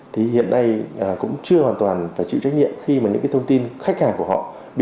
thì hiện nay cũng chưa hoàn toàn phải chịu trách nhiệm khi mà những cái thông tin khách hàng của họ